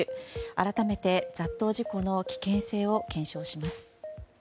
改めて雑踏事故の危険性を検証します。